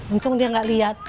untung dia gak liat